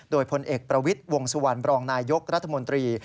โดยพลเอกประวิทย์วงสุวรรณบรองนายยกรัฐมนตรี